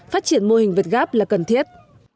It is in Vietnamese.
phát triển mô hình việt gáp là cần thiết